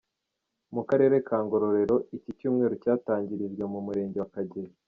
Mu karere ka Ngororero, iki cyumweru cyatangirijwe mu Murenge wa Kageyo.